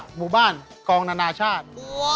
หมู่บ้านกองนานาชาติ